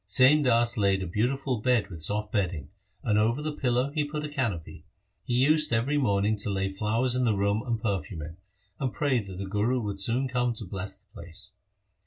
Sain Das laid a beautiful bed with soft bedding, and over the pillow he put a canopy. He used every morning to lay flowers in the room and perfume it, and pray that the Guru would soon come to bless the place.